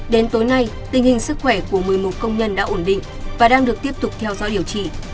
đến tối nay tình hình sức khỏe của một mươi một công nhân đã ổn định và đang được tiếp tục theo dõi điều trị